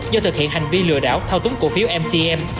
do thực hiện hành vi lừa đảo thao túng cổ phiếu mtm